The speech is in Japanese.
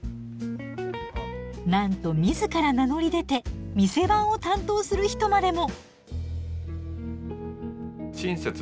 なんと自ら名乗り出て店番を担当する人までも！